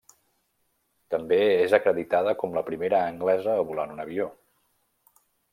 També és acreditada com la primera anglesa a volar en un avió.